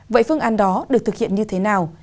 vậy phương án đó được thực hiện như thế nào